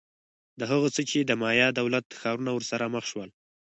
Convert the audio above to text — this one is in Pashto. دا هغه څه چې د مایا دولت ښارونه ورسره مخ شول